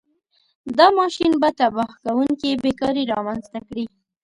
دا ماشین به تباه کوونکې بېکاري رامنځته کړي.